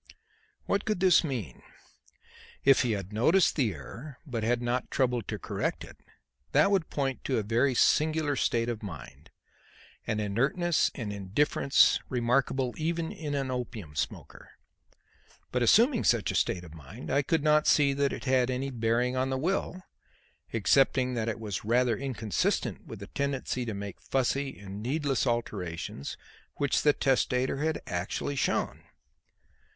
What could this mean? If he had noticed the error but had not troubled to correct it, that would point to a very singular state of mind, an inertness and indifference remarkable even in an opium smoker. But assuming such a state of mind, I could not see that it had any bearing on the will, excepting that it was rather inconsistent with the tendency to make fussy and needless alterations which the testator had actually shown.